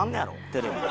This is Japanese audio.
テレビで。